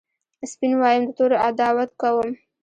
سپین وایم د تورو عداوت کوم